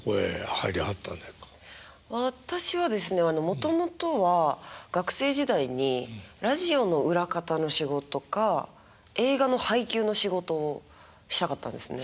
もともとは学生時代にラジオの裏方の仕事か映画の配給の仕事をしたかったんですね。